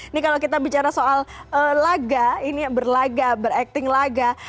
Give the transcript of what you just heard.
ini kalau kita bicara soal laga ini berlaga berakting laga